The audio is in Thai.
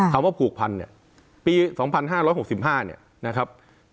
ว่าผูกพันเนี่ยปี๒๕๖๕เนี่ยนะครับ